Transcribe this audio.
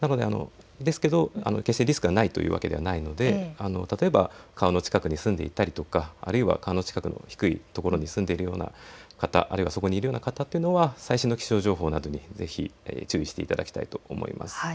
ですけど、決してリスクがあるわけではないということではないので川の近くに住んでいたりとか川の近くの低いとこに住んでいるような方、あるいはそこにいるような方は最新の気象情報などにぜひ注意していただきたいと思います。